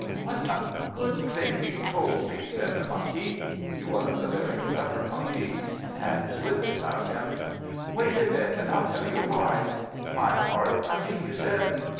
"What a good thing you told me!" said the Monkey. (He was a very clever Monkey, and had his wits about him.) "Wait a bit, and I'll tell you why. My heart, I think you said?